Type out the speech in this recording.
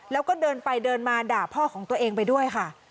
แล้วก็เดินไปเดินมาด่าพ่อของตัวเองไปด้วยค่ะ